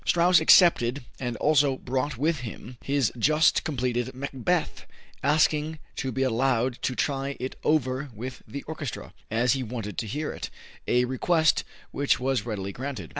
Strauss accepted and also brought with him his just completed "Macbeth," asking to be allowed to try it over with the orchestra, as he wanted to hear it a request which was readily granted.